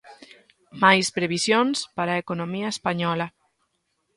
Máis previsións para a economía española.